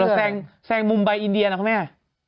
แล้วแซงแซงมุมไบอินเดียเหรอค่ะแม่